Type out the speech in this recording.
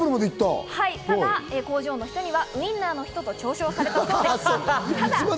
ただ工場の人にはウインナーの人と嘲笑されたそうです。